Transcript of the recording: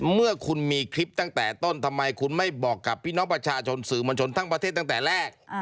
เมื่อคุณมีคลิปตั้งแต่ต้นทำไมคุณไม่บอกกับพี่น้องประชาชนสื่อมวลชนทั้งประเทศตั้งแต่แรก